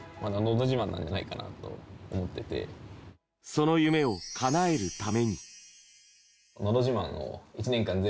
その夢をかなえるために。